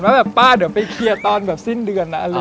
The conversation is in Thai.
ว่าแบบป้าเดี๋ยวไปเคลียร์ตอนแบบสิ้นเดือนนะอะไรอย่างนี้